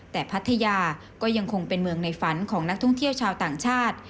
แต่พัทยาก็ยังคงเป็นเมืองในฝันของนักท่องเที่ยวชาวต่างชาติ